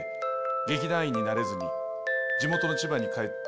劇団員になれずに地元の千葉に帰って